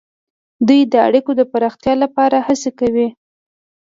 دوی د اړیکو د پراختیا لپاره هڅې کوي